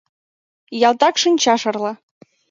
Ялтак шинча шарла!